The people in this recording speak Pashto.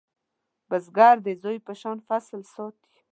بزګر د زوی په شان فصل ساتي